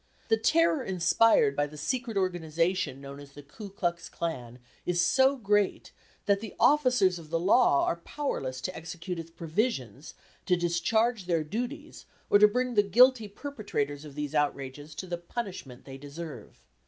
The terror inspired by the secret organization known as the Ku Klux Klan is so great, that the officers of the law are powerless to execute its provisions, to discharge their duties, or to bring the guilty perpetrators of these outrages to the punishment they deserve.